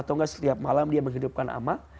atau enggak setiap malam dia menghidupkan amal